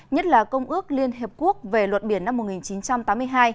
nhất là công ước liên hợp quốc về luật biển năm một nghìn chín trăm tám mươi hai